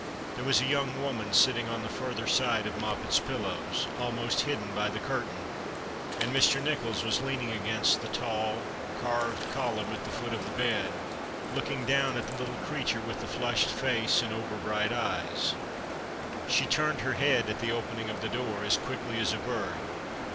There was a young woman sitting on the further side of Moppet's pillows, almost hidden by the curtain, and Mr. Nicholls was leaning against the tall, carved column at the foot of the bed, looking down at the little creature with the flushed face and over bright eyes. 252 The Christmas Hirelings. She turned her head at the opening of the door as quickly as a bird.